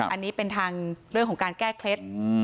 อันนี้เป็นทางเรื่องของการแก้เคล็ด